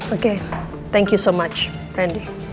oke terima kasih banyak randy